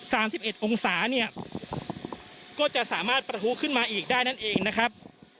สิบเอ็ดองศาเนี่ยก็จะสามารถประทุขึ้นมาอีกได้นั่นเองนะครับ